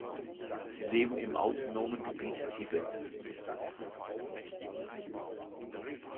Sie leben im Autonomen Gebiet Tibet.